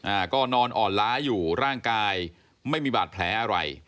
อ่าก็นอนอ่อนล้าอยู่ร่างกายไม่มีบาดแผลอะไร